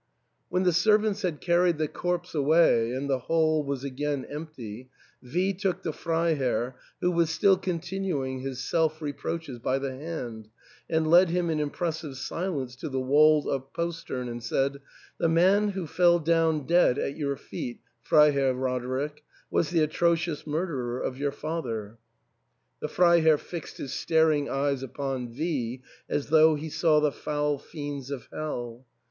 When the ser vants had carried the corpse away and the hall was again empty, V took the Freiherr, who was still continuing his self reproaches, by the hand and led him in impressive silence to the walled up postern, and said, " The man who fell down dead at your feet, Freiherr Roderick, was the atrocious murderer of your father." The Freiherr fixed his staring eyes upon V as though he saw the foul fiends of hell.